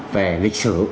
về lịch sử